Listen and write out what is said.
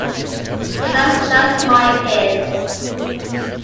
And that is just my case.